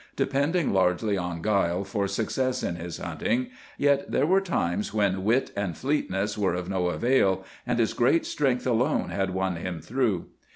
Depending largely on guile for success in his hunting, yet there were times when wit and fleetness were of no avail, and his great strength alone had won him through.